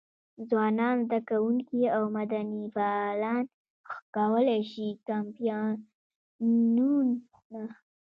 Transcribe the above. ځوانان، زده کوونکي او مدني فعالان کولای شي کمپاینونه.